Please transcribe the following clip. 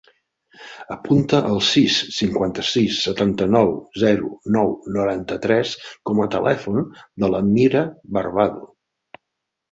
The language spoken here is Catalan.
Apunta el sis, cinquanta-sis, setanta-nou, zero, nou, noranta-tres com a telèfon de la Mirha Barbado.